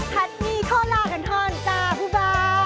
พัดหมี่ข้อลากันท่อนจ้าผู้เบา